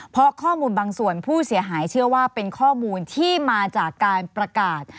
เพราะข้อมูลบางส่วนผู้เสียหายเชื่อว่าเป็นข้อมูลที่มาจากการประกาศ